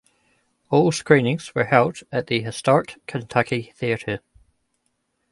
All screenings were held at the historic Kentucky Theater.